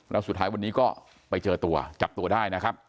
แล้วสุดท้ายวันนี้ก็ไปเจอตัวจับตัวได้นะครับ